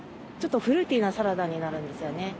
ちょっとフルーティーなサラダになるんですよね。